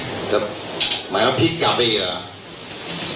เพราะว่าหลักฐานอย่างที่บอกว่าคุณพิชาเขายังไม่ได้